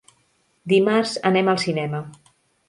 Dimarts anem al cinema.